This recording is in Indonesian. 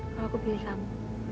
kalau aku pilih kamu